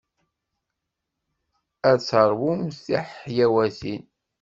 Ad teṛwumt tiḥlawatin.